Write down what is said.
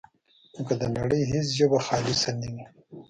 نو که د نړۍ هېڅ ژبه خالصه نه وي،